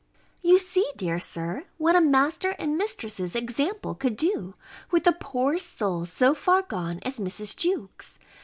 You see, dear Sir, what a master and mistress's example could do, with a poor soul so far gone as Mrs. Jewkes.